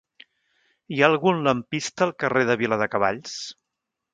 Hi ha algun lampista al carrer de Viladecavalls?